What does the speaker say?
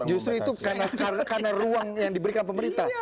justru itu karena ruang yang diberikan pemerintah